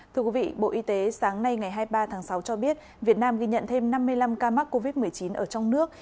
thưa quý vị bộ y tế sáng nay ngày hai mươi ba tháng sáu cho biết việt nam ghi nhận thêm năm mươi năm ca mắc covid một mươi chín ở trong nước